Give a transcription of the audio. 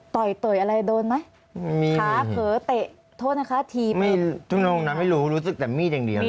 ต่อยต่อยอะไรโดนไหมไม่มีขาเผลอเตะโทษนะคะทีไม่รู้รู้สึกแต่มีดอย่างเดียว